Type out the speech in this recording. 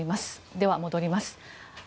では、戻ります。